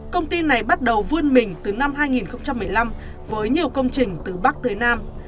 công ty này bắt đầu vươn mình từ năm hai nghìn một mươi năm với nhiều công trình từ bắc tới nam